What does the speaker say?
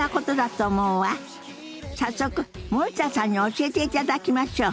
早速森田さんに教えていただきましょう。